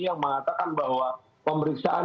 yang mengatakan bahwa pemeriksaan